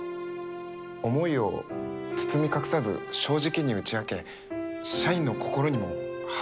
思いを包み隠さず正直に打ち明け社員の心にも花を咲かせる。